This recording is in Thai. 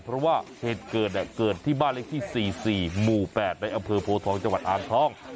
เพราะว่าเหตุเกิดที่บ้านเลขที่๔๔หมู่๘ในอำเภอโพทองจังหวัดอ่างทอง